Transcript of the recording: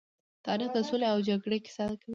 تاریخ د سولې او جګړې کيسه کوي.